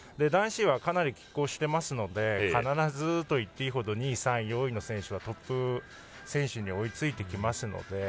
男子はかなりきっ抗してますので必ずといっていいほどに２位、３位、４位の選手はトップ選手に追いついてきますので。